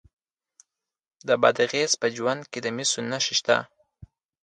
د بادغیس په جوند کې د مسو نښې شته.